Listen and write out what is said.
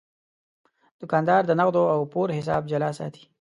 دوکاندار د نغدو او پور حساب جلا ساتي.